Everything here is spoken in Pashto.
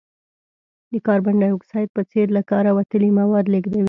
د کاربن ډای اکساید په څېر له کاره وتلي مواد لیږدوي.